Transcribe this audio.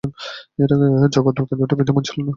এর আগে, জগদ্দল কেন্দ্রটি বিদ্যমান ছিল না।